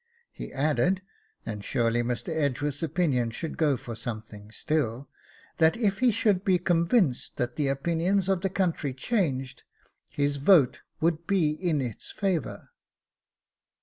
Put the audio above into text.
He added (and surely Mr. Edgeworth's opinion should go for something still) that if he should be convinced that the opinions of the country changed, his vote would be in its favour.